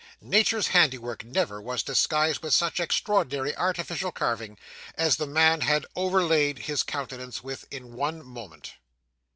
Nature's handiwork never was disguised with such extraordinary artificial carving, as the man had overlaid his countenance with in one moment.